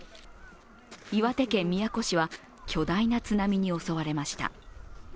岩手県宮古市は巨大な津波に襲われました。